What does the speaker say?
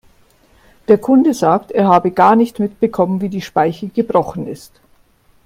Der Kunde sagt, er habe gar nicht mitbekommen, wie die Speiche gebrochen ist.